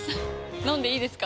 飲んでいいですか？